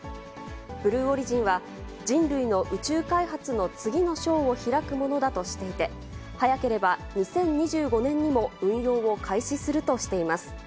ブルーオリジンは、人類の宇宙開発の次の章を開くものだとしていて、早ければ２０２５年にも運用を開始するとしています。